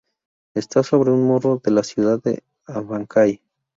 Está sobre un morro de la ciudad de Abancay.